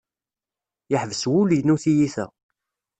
Yeḥbes wul-inu tiyita.